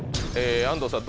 安藤さん